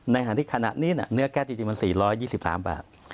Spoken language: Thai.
ในฐาษณ์ที่ขณะนี้เนื้อแก๊สจะยืนมา๔๒๓บาท